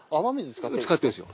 使ってるんですよ。